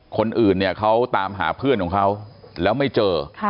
คนอื่นเนี่ยเขาตามหาเพื่อนของเขาแล้วไม่เจอ